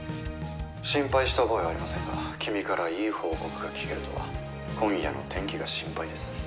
心配した覚えはありませんが君からいい報告が聞けるとは今夜の天気が心配です。